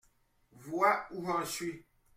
Vois où j'en suis.